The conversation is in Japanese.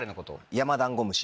ヤマダンゴムシ！